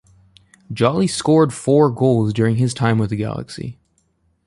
Jolley scored four goals during his time with the Galaxy.